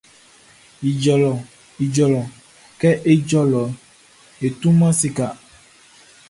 Ijɔ lɔ Ijɔ kɛ e ijɔ lɔ e tuaman sika.